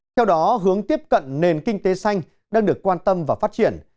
theo đó hướng tiếp cận nền kinh tế xanh đang được quan tâm và phát triển